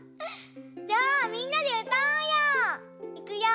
じゃあみんなでうたおうよ！